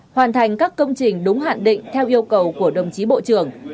hoàn thành các công trình đúng hạn định theo yêu cầu của đồng chí bộ trưởng